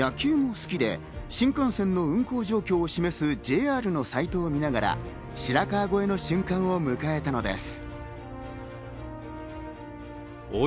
野球も好きで新幹線の運行状況を示すＪＲのサイトを見ながら白河越えの瞬間を迎えたのです。